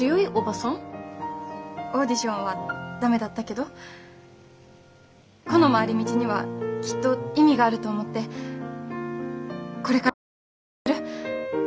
オーディションは駄目だったけどこの回り道にはきっと意味があると思ってこれからも歌い続ける。